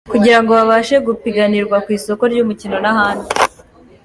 kugira ngo babashe gupiganirwa ku isoko ry’umurimo n’ahandi.